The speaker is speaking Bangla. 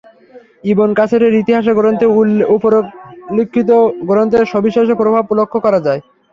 ইবন কাসীরের ইতিহাস গ্রন্থে উপরোল্লেখিত গ্রন্থের সবিশেষ প্রভাব লক্ষ্য করা যায়।